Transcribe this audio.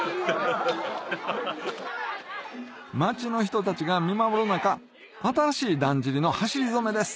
町の人たちが見守る中新しいだんじりの走り初めです